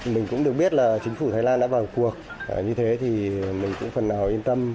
mình cũng được biết là chính phủ thái lan đã vào cuộc như thế thì mình cũng phần nào yên tâm